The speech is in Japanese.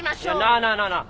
なあなあなあなあ。